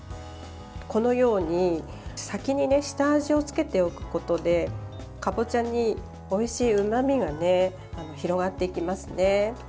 このように先に下味をつけておくことでかぼちゃにおいしいうまみが広がっていきますね。